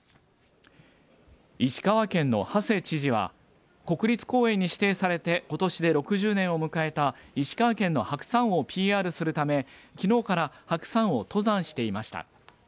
石川県の馳知事は、国立公園に指定されてことしで６０年を迎えた石川県の白山をＰＲするため、きのうから白山を登山していました。